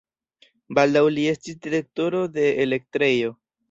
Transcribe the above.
Baldaŭ li estis direktoro de elektrejo.